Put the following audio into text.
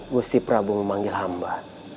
gusti prabu memanggil hamba